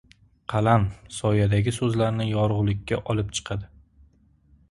Qalam soyadagi so‘zlarni yorug‘likka olib chiqadi.